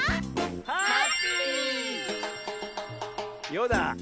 「よ」だ。